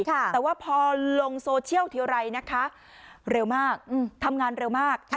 แต่ว่าพอลงโซเชียลทีไรนะคะเร็วมากทำงานเร็วมาก